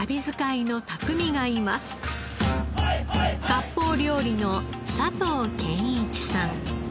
割烹料理の佐藤健一さん。